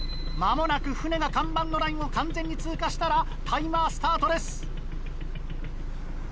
間もなく船が看板のラインを完全に通過したらタイマースタートです。